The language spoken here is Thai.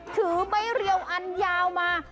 ถือใบเรียวอันเยาว์มา